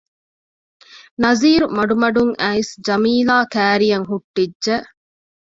ނަޒީރު މަޑުމަޑުން އައިސް ޖަމީލާ ކައިރިއަށް ހުއްޓިއްޖެ